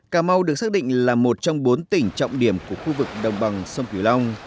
cà mau được xác định là một trong bốn tỉnh trọng điểm của khu vực đồng bằng sông cửu long